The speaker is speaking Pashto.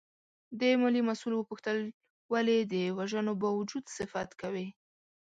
د مالیې مسوول وپوښتل ولې د وژنو باوجود صفت کوې؟